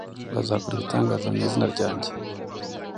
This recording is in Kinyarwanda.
bazakora ibitangaza mu izina ryanjye